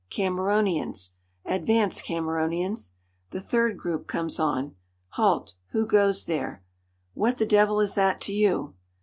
"Cameronians." "Advance, Cameronians." The third group comes on. "Halt! Who goes there?" "What the devil is that to you?"